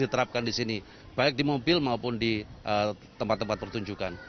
diterapkan di sini baik di mobil maupun di tempat tempat pertunjukan